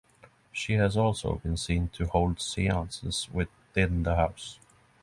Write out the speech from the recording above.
She has also been seen to hold seances within the house.